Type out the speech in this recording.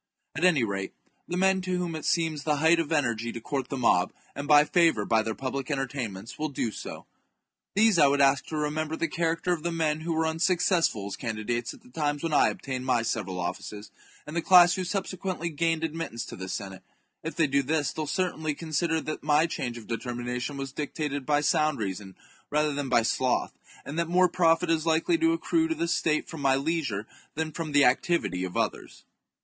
At any rate, the men to whom it seems the height of energy to court the mob, and buy favour by their public entertainments, will do so. These I would ask to remember the character of the men who were un successful as candidates at the times when I obtained my several offices, and the class who subsequently gained admittance to the Senate ; if they do this they will certainly consider that my change of determina tion was dictated by sound reason rather than by sloth, and that more profit is likely to accrue to the state from my leisure than from the activity of others.